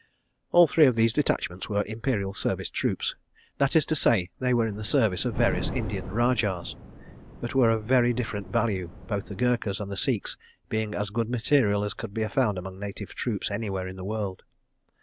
All three of these detachments were Imperial Service Troops—that is to say, were in the service of various Indian Rajahs—but were of very different value, both the Gurkhas and the Sikhs being as good material as could be found among native troops anywhere in the world.